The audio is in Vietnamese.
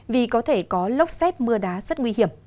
vì có thể có lốc xét mưa đá rất nguy hiểm